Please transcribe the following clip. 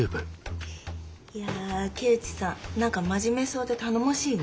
いや木内さん何か真面目そうで頼もしいね。